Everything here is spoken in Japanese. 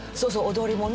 踊りもね